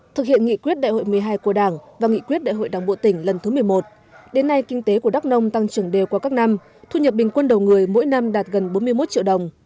thực hiện nghị quyết đại hội một mươi hai của đảng và nghị quyết đại hội đảng bộ tỉnh lần thứ một mươi một đến nay kinh tế của đắk nông tăng trưởng đều qua các năm thu nhập bình quân đầu người mỗi năm đạt gần bốn mươi một triệu đồng